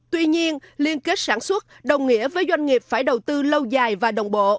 tuy nhiên liên kết sản xuất đồng nghĩa với doanh nghiệp phải đầu tư lâu dài và đồng bộ